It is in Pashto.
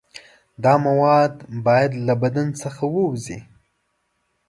دا مواد باید له بدن څخه ووځي.